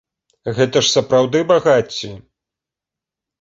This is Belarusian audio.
Гэта ж сапраўды багацце?